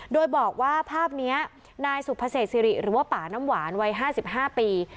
โดยบอกว่าภาพนี้นายสุภเศษศิริหรือว่าป่าน้ำหวานวัย๕๕ปี